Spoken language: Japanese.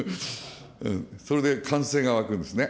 それで歓声が沸くんですね。